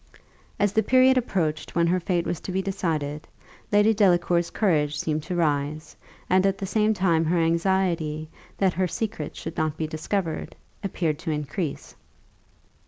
As the period approached when her fate was to be decided, Lady Delacour's courage seemed to rise; and at the same time her anxiety, that her secret should not be discovered, appeared to increase.